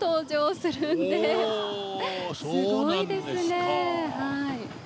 すごいですね。